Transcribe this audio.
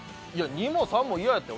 ２も３もイヤやったよ。